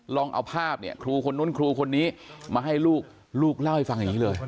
ลองเอาภาพเนี่ยครูคนนู้นครูคนนี้มาให้ลูกลูกเล่าให้ฟังอย่างนี้เลย